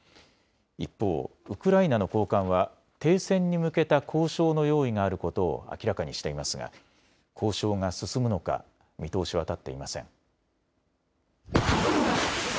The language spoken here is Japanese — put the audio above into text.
一方、ウクライナの高官は停戦に向けた交渉の用意があることを明らかにしていますが交渉が進むのか見通しは立っていません。